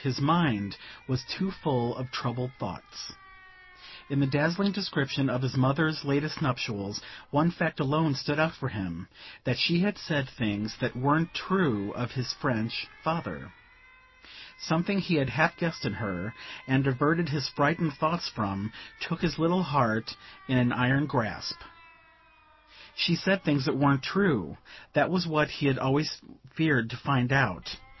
His mind was too full of troubled thoughts. In the dazzling description of his mother's latest nuptials one fact alone stood out for him that she had said things that weren't true of his French father. Something he had half guessed in her, and averted his frightened thoughts from, took his little heart in an iron grasp. She said things that weren't true.... That was what he had always feared to find out....